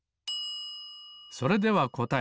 それではこたえ。